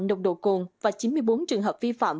nộp đồ cồn và chín mươi bốn trường hợp vi phạm